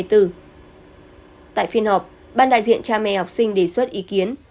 tại phiên họp ban đại diện cha mẹ học sinh đề xuất ý kiến